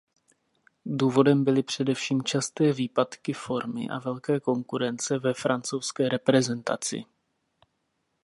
Důvodem byly především časté výpadky formy a velké konkurence ve francouzské reprezentaci.